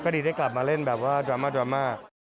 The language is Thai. ก็ดีได้กลับมาเล่นแบบว่าดราม่า